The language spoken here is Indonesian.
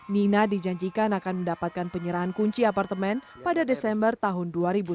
nina dijanjikan akan mendapatkan penyerahan kunci apartemen pada desember tahun dua ribu sembilan belas